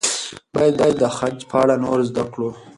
موږ به د خج په اړه نور زده کړو.